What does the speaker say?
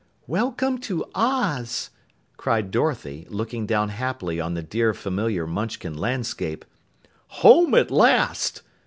"Welcome to Oz!" cried Dorothy, looking down happily on the dear familiar Munchkin landscape. "Home at last!"